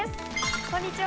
こんにちは。